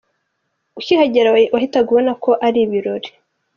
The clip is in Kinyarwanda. Ukihagera wahitaga ubona ko ari ibirori.